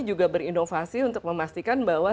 juga berinovasi untuk memastikan bahwa